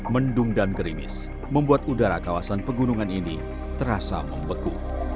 mendung dan gerimis membuat udara kawasan pegunungan ini terasa membeku